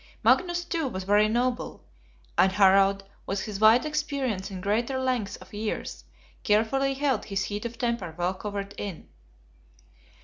Magnus too was very noble; and Harald, with his wide experience and greater length of years, carefully held his heat of temper well covered in.